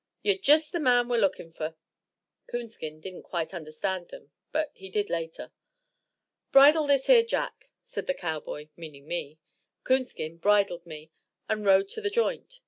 yer jest th' man we're lookin' fer." Coonskin didn't quite understand them, but he did later. "Bridle this 'ere jack," said the cowboy, meaning me. Coonskin bridled me and rode to the joint.